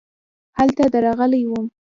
هلته درغلې وم .